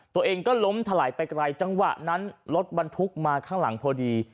ตัวเองก็ล้มถลายไปไกลจังหวะนั้นรถบรรทุกมาข้างหลังพอดี